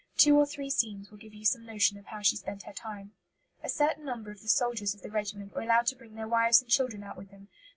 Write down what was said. Two or three scenes will give you some notion of how she spent her time. A certain number of the soldiers of the regiment were allowed to bring their wives and children out with them.